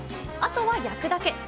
あとは焼くだけ。